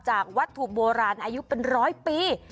จากวัดถูกโบราณอายุเป็นร้อยปี